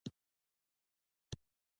نازو انا د پښتنو یوه لویه شاعره وه.